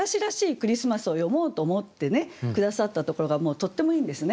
クリスマスを詠もうと思って下さったところがもうとってもいいんですね。